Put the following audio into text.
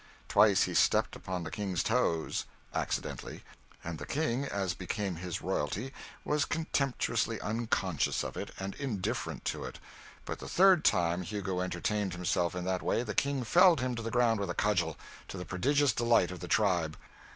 Twice he stepped upon the King's toes accidentally and the King, as became his royalty, was contemptuously unconscious of it and indifferent to it; but the third time Hugo entertained himself in that way, the King felled him to the ground with a cudgel, to the prodigious delight of the tribe.